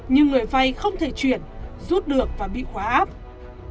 nhưng người vay không thể chuyển rút được và bị khóa áp